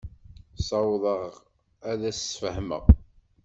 Ssawḍeɣ ad as-sfehmeɣ.